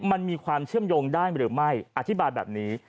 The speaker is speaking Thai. มันมีความเชื่อมโยงได้หรือไม่อธิบายแบบนี้